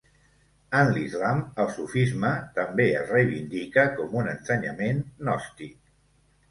En l'Islam, el sufisme també es reivindica com a un ensenyament gnòstic.